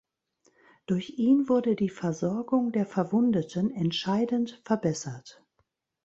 Durch ihn wurde die Versorgung der Verwundeten entscheidend verbessert.